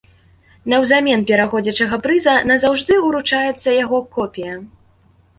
Наўзамен пераходзячага прыза назаўжды ўручаецца яго копія.